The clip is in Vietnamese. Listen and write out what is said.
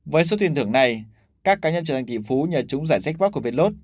với số tuyển thưởng này các cá nhân trở thành kỷ phú nhờ trúng giải jackpot của vietlote